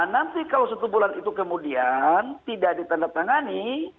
nanti kalau satu bulan itu kemudian tidak ditandatangani